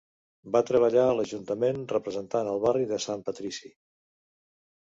Va treballar a l'ajuntament representant el barri de Sant Patrici.